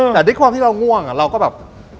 แต่ด้วยความที่เราง่วงเราก็แบบ